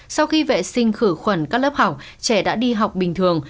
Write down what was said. sau khi vệ sinh khử khuẩn các lớp học trẻ đã đi học bình thường